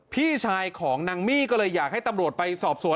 พี่ชายของนางมี่ก็เลยอยากให้ตำรวจไปสอบสวน